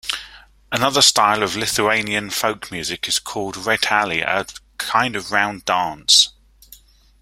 Another style of Lithuanian folk music is called rateliai, a kind of round dance.